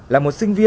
là một sinh viên